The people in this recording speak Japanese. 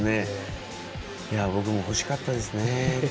僕も欲しかったですね。